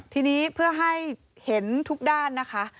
ทีนี้เพื่อให้เห็นทุกด้านนะคะ